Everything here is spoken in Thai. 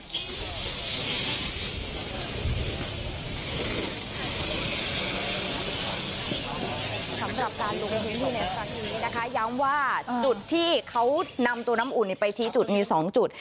สำหรับการลงพื้นที่ในครั้งนี้นะคะย้ำว่าจุดที่เขานำตัวน้ำอุ่นไปชี้จุดมี๒จุด